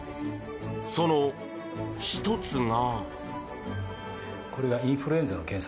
その１つが。